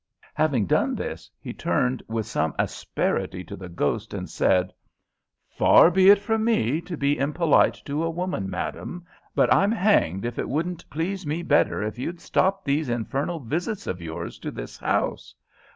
Having done this, he turned with some asperity to the ghost, and said: "Far be it from me to be impolite to a woman, madam, but I'm hanged if it wouldn't please me better if you'd stop these infernal visits of yours to this house.